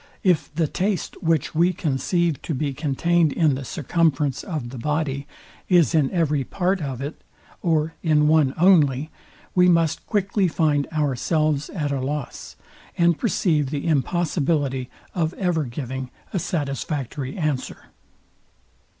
if the taste, which we conceive to be contained in the circumference of the body, is in every part of it or in one only, we must quickly find ourselves at a loss, and perceive the impossibility of ever giving a satisfactory answer.